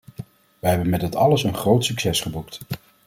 Wij hebben met dat alles een groot succes geboekt.